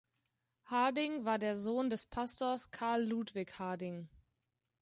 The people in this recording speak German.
Harding war der Sohn des Pastors Carl Ludwig Harding.